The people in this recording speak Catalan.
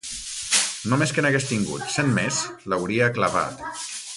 Només que n'hagués tingut cent més l'hauria clavat.